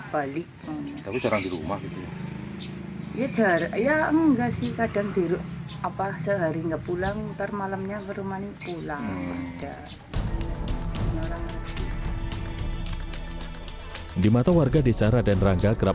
apa sehari enggak pulang ntar malamnya ke rumah pulang ada di mata warga desa raden rangga kerap